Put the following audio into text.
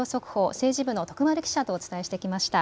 政治部の徳丸記者とお伝えしてきました。